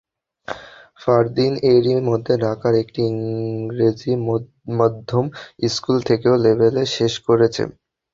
ফারদীন এরই মধ্যে ঢাকার একটি ইংরেজি মাধ্যম স্কুল থেকে ও–লেভেল শেষ করেছে।